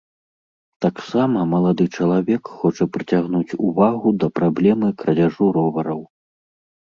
Таксама малады чалавек хоча прыцягнуць увагу да праблемы крадзяжу ровараў.